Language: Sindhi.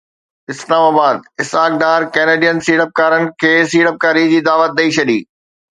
اسلام آباد: اسحاق ڊار ڪينيڊين سيڙپڪارن کي سيڙپڪاري جي دعوت ڏئي ڇڏي